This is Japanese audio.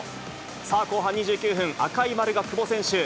さあ、後半２９分、赤い丸が久保選手。